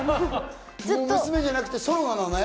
娘じゃなくてソロなのね。